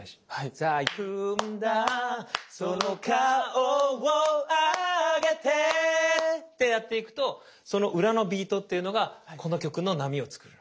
「さあ行くんだその顔をあげて」ってやっていくとその裏のビートっていうのがこの曲の波を作るの。